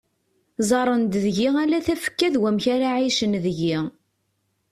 Ẓẓaren-d deg-i ala tafekka d wamek ara ɛicen deg-i.